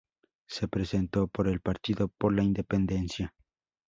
Se presentó por el Partido por la Independencia.